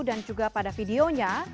dan juga pada videonya